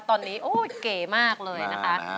ตอนนี้โอ้ยเก๋มากเลยนะคะ